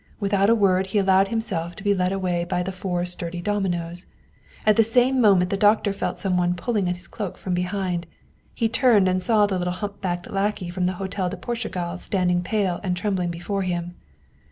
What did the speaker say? Without a word he allowed himself to be led away by the four sturdy dominos. At the same moment the doctor felt somebody pulling at his cloak from behind. He turned and saw the little humpbacked lackey from the Hotel de Portugal standing pale and trembling before him.